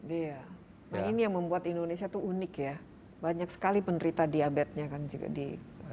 iya nah ini yang membuat indonesia itu unik ya banyak sekali penderita diabetesnya kan juga di